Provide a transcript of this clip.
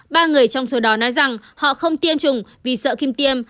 ba người trong số đó nói rằng họ không tiêm chủng vì sợ kim tiêm